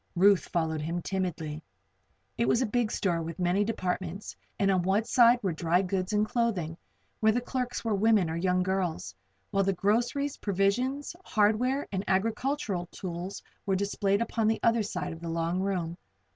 Ruth followed him timidly. It was a big store with many departments, and on one side were dry goods and clothing, where the clerks were women, or young girls, while the groceries, provisions, hardware and agricultural tools were displayed upon the other side of the long room.